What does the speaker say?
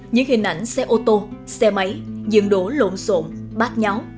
những hình ảnh xe ô tô xe máy dường đổ lộn xộn bát nháo